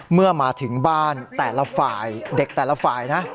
เมื่อมาถึงบ้านแต่ละฝ่ายเด็กแต่ละฝ่ายนะ